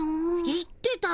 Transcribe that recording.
言ってたよ。